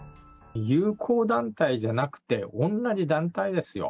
友好団体じゃなくて、おんなじ団体ですよ。